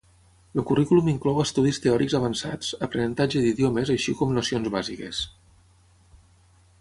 El currículum inclou estudis teòrics avançats, aprenentatge d'idiomes així com nocions bàsiques.